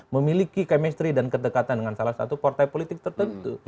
memiliki chemistry dan kedekatan dengan salah satu partai politik tertentu